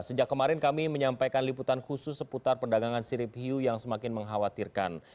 sejak kemarin kami menyampaikan liputan khusus seputar perdagangan sirip hiu yang semakin mengkhawatirkan